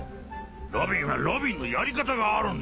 ロビンはロビンのやり方があるんだ。